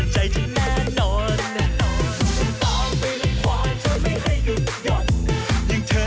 ไม่มึงมาได้ยากไปทำวุลไหร่เหรอ